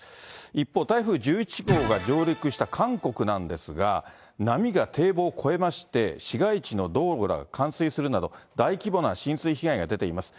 一方、台風１１号が上陸した韓国なんですが、波が堤防を越えまして、市街地の道路が冠水するなど、大規模な浸水被害が出ています。